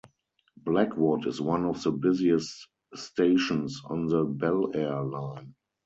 Blackwood is one of the busiest stations on the Belair line.